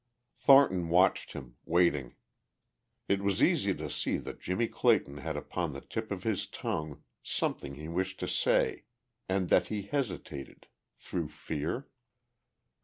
Thornton watched him, waiting. It was easy to see that Jimmie Clayton had upon the tip of his tongue something he wished to say, and that he hesitated ... through fear?